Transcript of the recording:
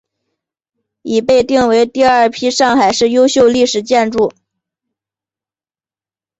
已被定为第二批上海市优秀历史建筑。